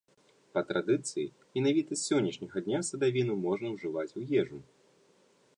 Па традыцыі, менавіта з сённяшняга дня садавіну можна ўжываць у ежу.